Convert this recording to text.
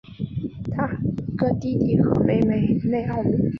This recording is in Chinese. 他还有一个弟弟和妹妹内奥米。